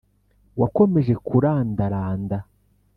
wakomeje kurandaranda